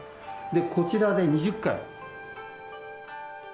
でこちらで２０回。